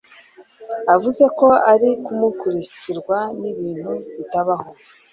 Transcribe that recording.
avuze ko ari kumurikirwa n'ibintu bitabaho